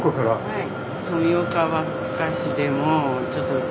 はい。